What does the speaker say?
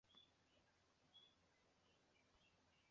索隆多曾在安戈洛坠姆筑巢。